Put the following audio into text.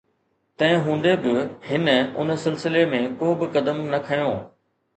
تنهن هوندي به هن ان سلسلي ۾ ڪو به قدم نه کنيو